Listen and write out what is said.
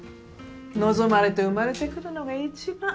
望まれて生まれてくるのが一番。